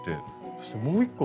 そしてもう１個。